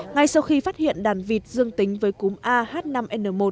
ngay sau khi phát hiện đàn vịt dương tính với cúm a h năm n một